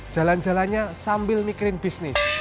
jalan jalannya sambil mikirin bisnis